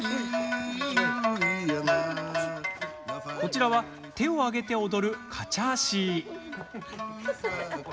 こちらは手を上げて踊るカチャーシー。